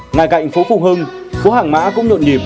ngay cạnh phố phụ hưng phố hàng mã cũng nhộn nhịp